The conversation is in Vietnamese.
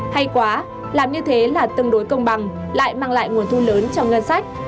hay quá làm như thế là tương đối công bằng lại mang lại nguồn thu lớn cho ngân sách